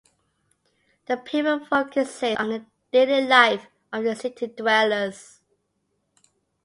The paper focuses on the daily life of the city dwellers.